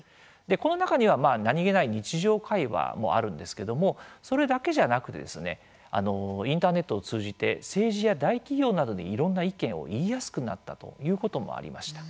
この中には何気ない日常会話もあるんですけどもそれだけじゃなくインターネットを通じて政治や大企業などにいろんな意見を言いやすくなったということもありました。